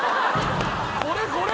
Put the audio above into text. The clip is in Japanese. これこれ！